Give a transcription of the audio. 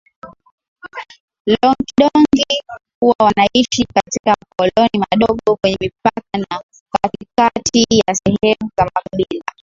Loonkidongi huwa wanaishi katika makoloni madogo kwenye mipaka na katikati ya sehemu za makabila